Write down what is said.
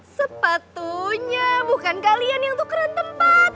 sepatunya bukan kalian yang tukeran tempat